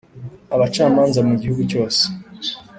Abacamanza mu gihugu cyose